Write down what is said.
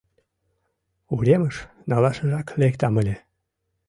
Уремыш налашыжак лектам ыле.